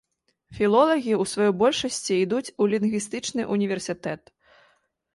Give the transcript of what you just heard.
Філолагі ў сваёй большасці ідуць у лінгвістычны ўніверсітэт.